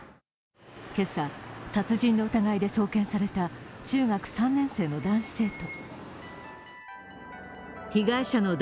今朝、殺人の疑いで送検された中学３年生の男子生徒。